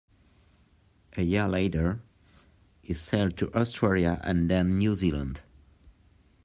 A year later he sailed to Australia and then New Zealand.